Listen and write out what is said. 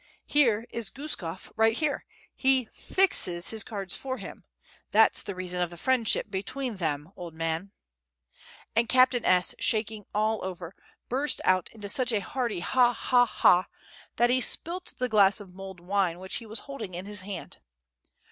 "Here is Guskof right here, he FIXES his cards for him. That's the reason of the friendship between them, old man" [Footnote: BATENKA MOI] ... and Captain S., shaking all over, burst out into such a hearty "ha, ha, ha!" that he spilt the glass of mulled wine which he was holding in his hand.